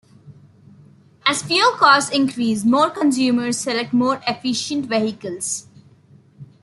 As fuel costs increase, more consumers select more efficient vehicles.